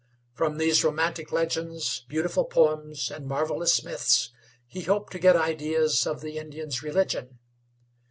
From these romantic legends, beautiful poems, and marvelous myths he hoped to get ideas of the Indian's religion.